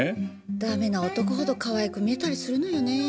ダメな男ほどかわいく見えたりするのよねぇ。